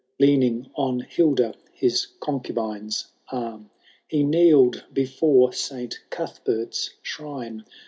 Leaning on Hilda his concubine^s ann. He kneel'd before Saint Cuthbert's shrine.